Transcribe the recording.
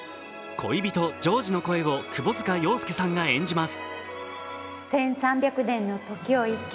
恋人・ジョージの声を窪塚洋介さんが演じます。